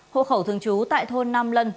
hộ khẩu thường trú tại thôn nam lân